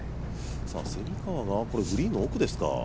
蝉川がこれグリーンの奥ですか。